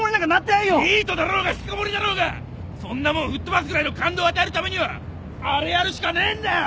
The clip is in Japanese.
ニートだろうが引きこもりだろうがそんなもん吹っ飛ばすぐらいの感動を与えるためにはあれやるしかねえんだよ！